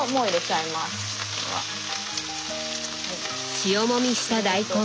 塩もみした大根。